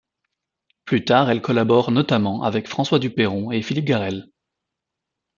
Plus tard, elle collabore notamment avec François Dupeyron et Philippe Garrel.